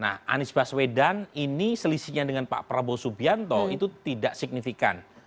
nah anies baswedan ini selisihnya dengan pak prabowo subianto itu tidak signifikan